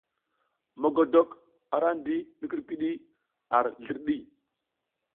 Mogodok a ra ndi mikudikudi ar zlirɗi.